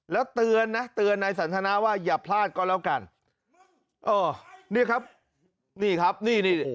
แล้วเตือนนะเตือนนายสันทนาว่าอย่าพลาดก็แล้วกันเออเนี่ยครับนี่ครับนี่นี่